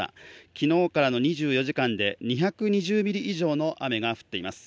昨日からの２４時間で２２０ミリ以上の雨が降っています。